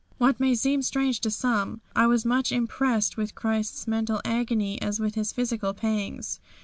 What may seem strange to some, I was as much impressed with Christ's mental agony as with his physical pangs.